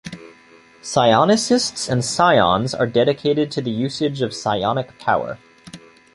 Psionicists and Psions are dedicated to the usage of psionic power.